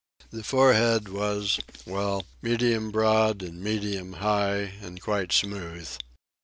The forehead was, well, medium broad and medium high, and quite smooth.